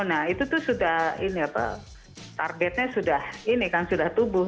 nah itu tuh sudah ini apa targetnya sudah ini kan sudah tubuh